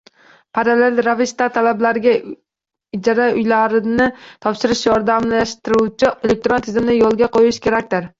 Parallel ravishda talabalarga ijara uylarni topishda yordamlashuvchi elektron tizimni yoʻlga qoʻyish kerakdir.